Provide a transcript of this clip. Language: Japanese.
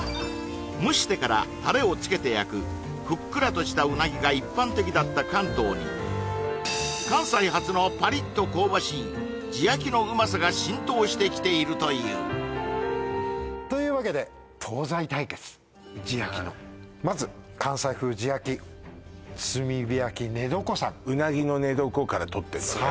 蒸してからタレをつけて焼くふっくらとしたうなぎが一般的だった関東に関西発のパリッと香ばしい地焼きのうまさが浸透してきているというというわけで東西対決地焼きのまずから取ってんのね